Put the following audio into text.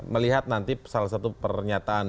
melihat nanti salah satu pernyataan